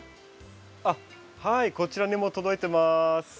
あっはいこちらにも届いてます。